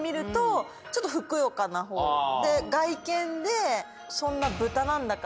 なほうで外見でそんな。